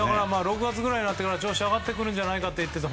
６月ぐらいになってから調子が上がってくるんじゃないかと。